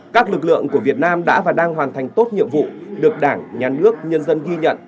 các lực lượng của việt nam đã và đang hoàn thành tốt nhiệm vụ được đảng nhà nước nhân dân ghi nhận